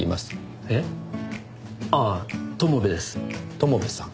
友部さん。